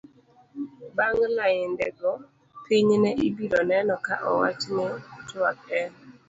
bang' lainde go pinyne ibiro neno ka owach ni twak en